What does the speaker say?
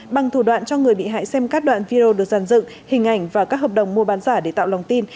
bằng thủ đoạn cho người bị hại xem các đoạn video được giàn dựng hình ảnh và các hợp đồng mua bán giả để tạo lòng tin